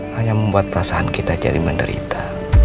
hanya membuat perasaan kita jadi menderita